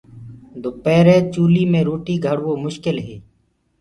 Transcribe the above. دُپيري چولِي مي روٽي گھڙوو مشڪل هي۔